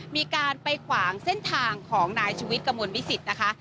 มีการไปขวางเส้นทางของนายชุวิตกระมวลวิสิตนะคะ